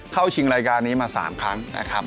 เข้าชิงรายการนี้มา๓ครั้งนะครับ